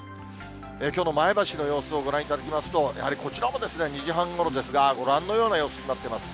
きょうの前橋の様子をご覧いただきますと、やはりこちらも２時半ごろですが、ご覧のような様子になっています。